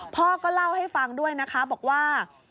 พ่อก็เล่าให้ฟังด้วยนะคะบอกว่า